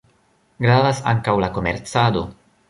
Gravas ankaŭ la komercado.